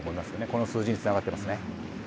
この数字につながってますね。